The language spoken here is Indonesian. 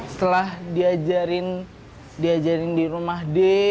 setelah diajarin di rumah